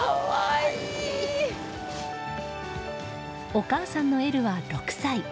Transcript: お母さんのエルは６歳。